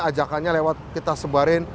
ajakannya lewat kita sebarin